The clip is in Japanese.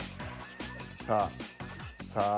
さあさあ。